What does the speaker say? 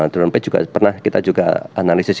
terutama juga pernah kita juga analisis